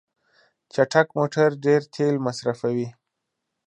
چټک موټر ډیر تېل مصرفوي.